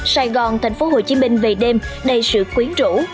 sài gòn thành phố hồ chí minh về đêm đầy sự quyến rũ